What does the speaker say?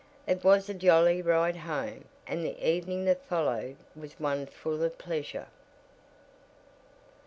It was a jolly ride home and the evening that followed was one full of pleasure.